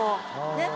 ねっ。